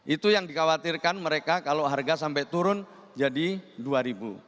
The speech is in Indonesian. itu yang dikhawatirkan mereka kalau harga sampai turun jadi rp dua